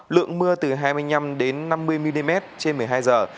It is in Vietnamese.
lượng mưa từ hai mươi năm năm mươi mm trên một mươi hai giờ